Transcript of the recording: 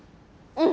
うん。